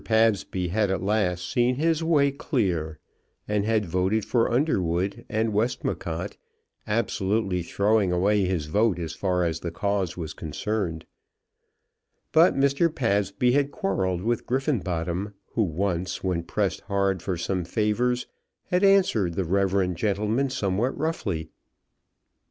Pabsby had at last seen his way clear, and had voted for Underwood and Westmacott, absolutely throwing away his vote as far as the cause was concerned. But Mr. Pabsby had quarrelled with Griffenbottom, who once, when pressed hard for some favours, had answered the reverend gentleman somewhat roughly.